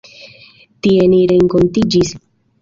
Tie ni renkontiĝis.